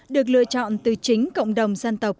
được lựa chọn từ chính cộng đồng dân tộc